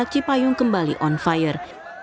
anak anak cipayung kembali on fire